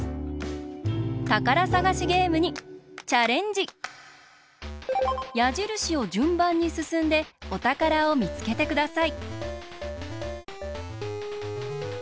たからさがしゲームにチャレンジ！やじるしをじゅんばんにすすんでおたからをみつけてください。